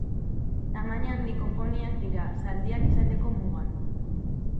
Tamaina handiko poniak dira, zaldiak izateko mugan.